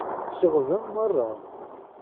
Tceɣɣben merra.